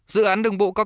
dự án đường bộ cao tốc